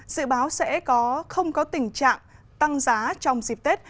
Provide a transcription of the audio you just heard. dự báo sẽ không có tình trạng tăng giá trong dịp tết